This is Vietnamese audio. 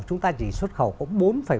chúng ta chỉ xuất khẩu hai triệu tấn lúa